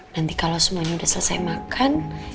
nanti kalau semuanya sudah selesai makan